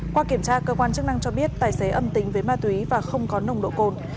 qua kiểm tra cơ quan chức năng cho biết tài xế âm tính với ma túy và không có nồng độ cồn